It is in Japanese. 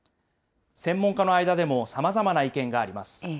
専門家の間でも様々な意見があります。